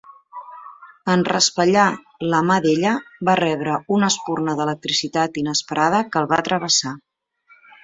En raspallar la mà d'ella, va rebre una espurna d'electricitat inesperada que el va travessar.